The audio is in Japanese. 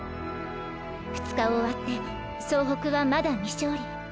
２日を終わって総北はまだ未勝利。